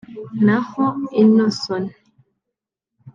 naho Innoson